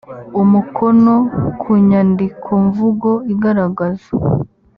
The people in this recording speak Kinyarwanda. umukono ku nyandikomvugo igaragaza